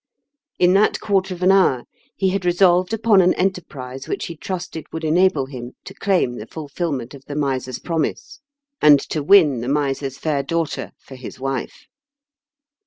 In that quarter of an hour he had resolved upon an enterprise which he trusted would enable him to claim the fulfilment of the miser's promise, and to win the miser's fair daughter for his wife.